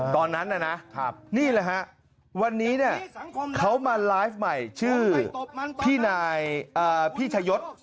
ตอนนั้นน่ะนะนี่แหละฮะวันนี้เนี่ยเขามาไลฟ์ใหม่ชื่อพี่นายพี่ชายศ